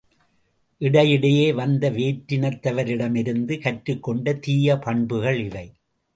இடையிடையே வந்த வேற்றினத்தவரிடமிருந்து கற்றுக் கொண்ட தீய பண்புகள் இவை.